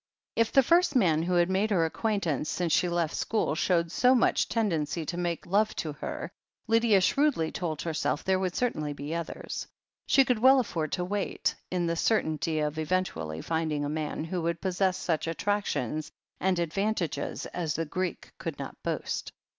If the first man who had made her acquaintance since she left school showed so much tendency to make love to her, Lydia shrewdly told herself, there would certainly be others. She could well afford to wait, in the certainty of eventually finding a man who would possess such attractions and advantages as the Greek could not boast.